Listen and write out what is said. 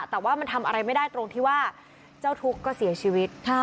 แต่ว่ามันทำอะไรไม่ได้ตรงที่ว่าเจ้าทุกข์ก็เสียชีวิต